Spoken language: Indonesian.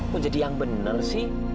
kok jadi yang bener sih